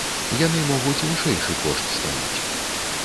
Яны могуць вышэйшы кошт ставіць.